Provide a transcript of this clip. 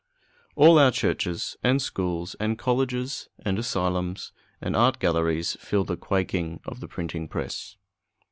All our churches, and schools, and colleges, and asylums, and art galleries feel the quaking of the printing press.